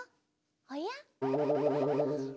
おや？